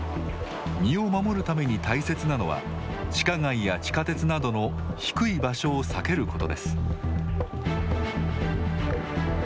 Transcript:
身を守るために大切なのは地下街や地下鉄などの低い場所を避けることです。